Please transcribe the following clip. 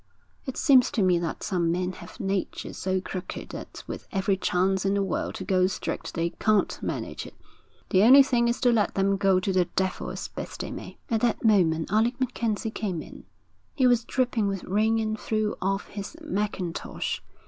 'It seems to me that some men have natures so crooked that with every chance in the world to go straight, they can't manage it. The only thing is to let them go to the devil as best they may.' At that moment Alec MacKenzie came in. He was dripping with rain and threw off his macintosh.